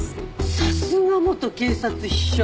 さすが元警察秘書。